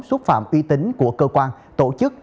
xúc phạm uy tín của cơ quan tổ chức